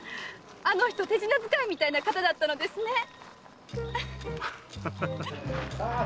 あの人手品使いみたいな方だったのですね！